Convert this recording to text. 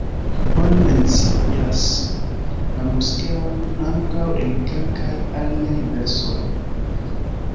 Oni mencias la moskeon ankaŭ en kelkaj aliaj versoj.